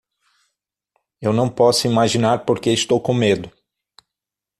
Eu não posso imaginar porque estou com medo